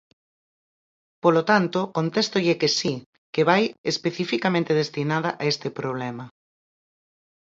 Polo tanto, contéstolle que si, que vai especificamente destinada a este problema.